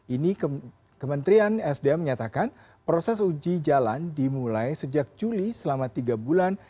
ini kementerian sdm menyatakan proses uji jalan dimulai sejak juli selama tiga bulan